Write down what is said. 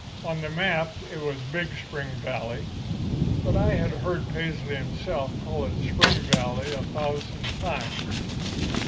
On the map it was Big Spring Valley; but I had heard Paisley himself call it Spring Valley a thousand times.